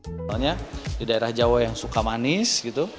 sebenarnya di daerah jawa yang suka manis